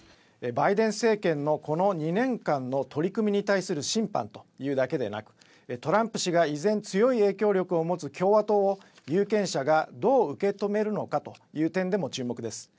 バイデン政権のこの２年間の取り組みに対する審判というだけでなく、トランプ氏が依然強い影響力を持つ共和党を有権者がどう受け止めるのかという点でも注目です。